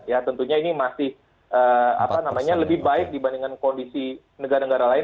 ya tentunya ini masih lebih baik dibandingkan kondisi negara negara lain